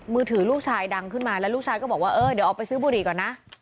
มือถือลูกชายดังขึ้นมาแล้วลูกชายก็บอกว่าเออเดี๋ยวออกไปซื้อบุหรี่ก่อนนะ